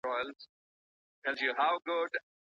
بهر ته د تګ لګښت څوک ورکوي؟